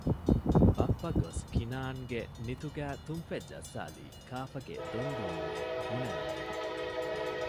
ބައްޕަގޮސް ކިނާންގެ ނިތުގައި ތުންފަތް ޖައްސާލީ ކާފަގެ ދޮންދޫންޏޭ ބުނެލަމުން